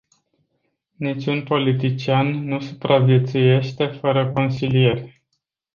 Niciun politician nu supraviețuiește fără consilieri.